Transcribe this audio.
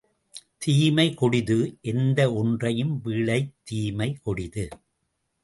தீமை கொடிது, எந்த ஒன்றையும் விடத் தீமைக் கொடிது.